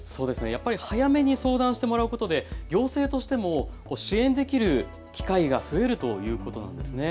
やっぱり早めに相談してもらうことで行政としても支援できる機会が増えるということなんです。